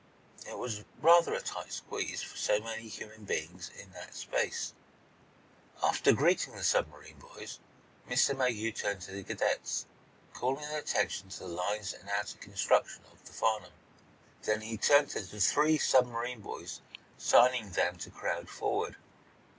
It was rather a tight squeeze for so many human beings in that space. After greeting the submarine boys, Mr. Mayhew turned to the cadets, calling their attention to the lines and outer construction of the "Farnum." Then he turned to the three submarine boys, signing to them to crowd forward.